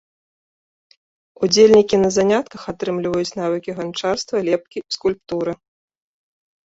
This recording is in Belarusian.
Удзельнікі на занятках атрымліваюць навыкі ганчарства, лепкі, скульптуры.